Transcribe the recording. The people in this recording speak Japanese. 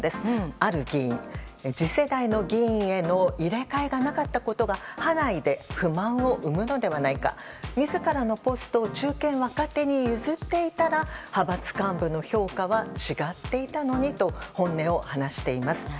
ある議員、次世代の議員への入れ替えがなかったことが派内で不満を生むのではないか自らのポストを中堅・若手に譲っていたら派閥幹部の評価は違っていたのにと本音を話しています。